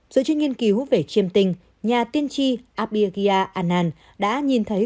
dựa trên nghiên cứu về chiêm tình nhà tiên tri abhigya anand đã nhìn thấy